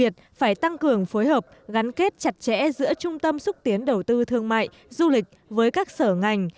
tưởng phối hợp gắn kết chặt chẽ giữa trung tâm xúc tiến đầu tư thương mại du lịch với các sở ngành